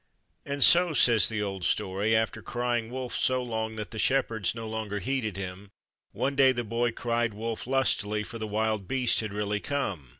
And so, says the old story, after crying wolf so long that the shepherds no longer heeded him, one day the boy cried wolf lustily, for the wild beast had really come.